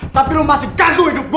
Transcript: tapi lo masih gantung hidup gue